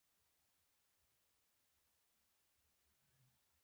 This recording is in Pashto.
• شیدې د روغتیا د ملاتړ لپاره اړینې دي.